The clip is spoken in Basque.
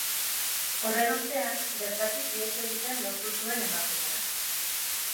Horren ostean, bertatik ihes egiten lortu zuen emakumeak.